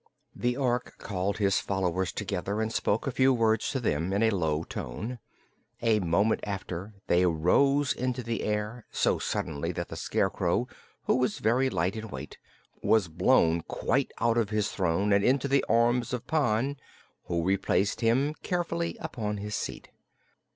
The Ork called his followers together and spoke a few words to them in a low tone. A moment after they rose into the air so suddenly that the Scarecrow, who was very light in weight, was blown quite out of his throne and into the arms of Pon, who replaced him carefully upon his seat.